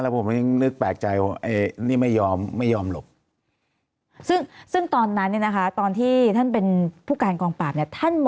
แล้วผมผิดนึกแปลกใจไม่ยอมหลบซึ่งตอนนั้นเลยนะคะตอนที่ท่านเป็นพูดการกองปับท่าน